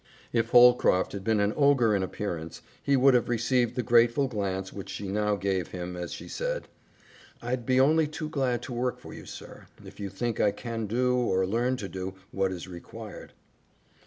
If Holcroft had been an ogre in appearance, he would have received the grateful glance which she now gave him as she said, "I'd be only too glad to work for you, sir, if you think I can do, or learn to do, what is required."